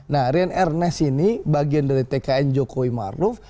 nah rian ernest ini bagian dari tkn jokowi maruf